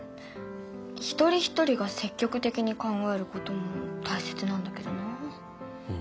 一人一人が積極的に考えることもたいせつなんだけどな。